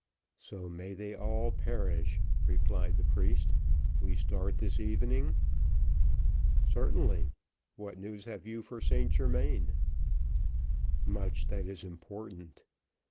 "So may they all perish," replied the priest. "We start this evening?" "Certainly. What news have you for St Germains?" "Much that is important.